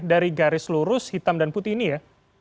dari garis lurus hitam dan putih ini ya